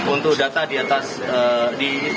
untuk data di atas di